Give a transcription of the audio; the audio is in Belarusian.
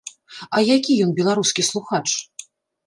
А які ён, беларускі слухач?